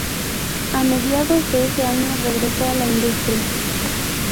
A mediados de ese año regresó a la industria.